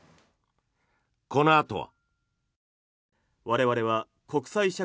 このあとは。